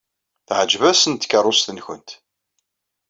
Teɛjeb-asen tkeṛṛust-nwent.